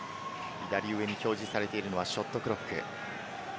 左上に表示されているのはショットクロック。